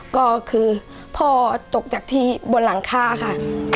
ก็คือพ่อตกจากที่บนหลังคาค่ะ